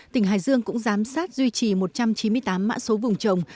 tỉnh hải dương cũng giám sát duy trì một trăm chín mươi tám mã số vùng trồng